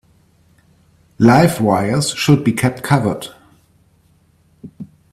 Live wires should be kept covered.